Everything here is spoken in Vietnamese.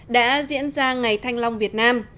đã diễn ra ngày thanh long việt nam